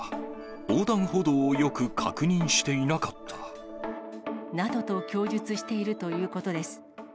横断歩道をよく確認していなかっなどと供述しているということです。